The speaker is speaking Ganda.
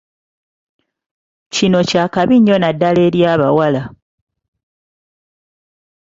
Kino kya kabi nnyo naddala eri abawala.